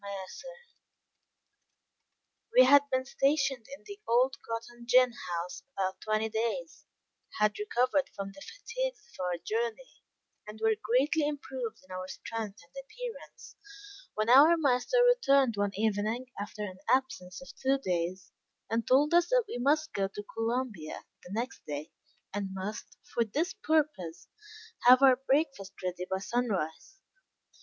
CHAPTER V. We had been stationed in the old cotton gin house about twenty days, had recovered from the fatigues of our journey, and were greatly improved in our strength and appearance, when our master returned one evening, after an absence of two days, and told us that we must go to Columbia the next day, and must, for this purpose, have our breakfast ready by sunrise.